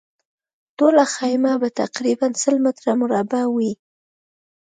ټوله خیمه به تقریباً سل متره مربع وي.